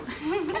はい。